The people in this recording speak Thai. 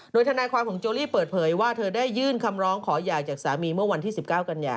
โดยทนายความของโจลี่เปิดเผยว่าเธอได้ยื่นคำร้องขอหย่าจากสามีเมื่อวันที่๑๙กันยา